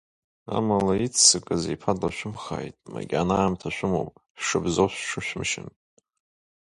Амала, иццакыз иԥа длашәымхааит, макьана аамҭа шәымоуп, шәшыбзоу шәҽышәымшьын.